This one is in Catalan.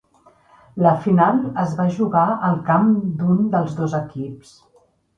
La final es va jugar al camp d'un dels dos equips.